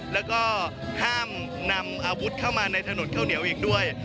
แล้วก็ห้ามนำอาวุธเข้ามาในถนนข้าวเหนียวอีกด้วย